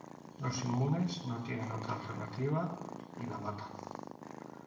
Los inmunes no tienen otra alternativa y la matan.